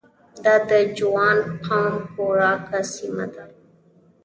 دا د جوانګ قوم کورواکه سیمه ده.